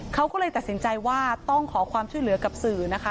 เขาก็เลยตัดสินใจว่าต้องขอความช่วยเหลือกับสื่อนะคะ